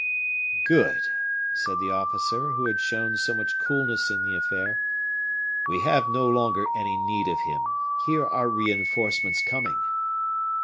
"Good!" said the officer who had shown so much coolness in the affair. "We have no longer any need of him; here are reinforcements coming."